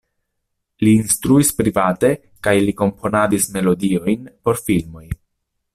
Li instruis private kaj li komponadis melodiojn por filmoj.